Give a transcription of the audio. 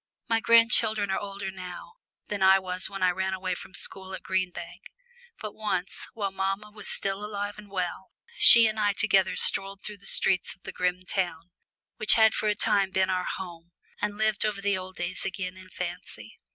My grandchildren are older now than I was when I ran away from the school at Green Bank. But once, while mamma was still alive and well, she and I together strolled through the streets of the grim town, which had for a time been our home, and lived over the old days again in fancy.